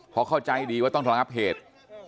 เพราะเข้าใจดีว่าต้องระงับเหตุ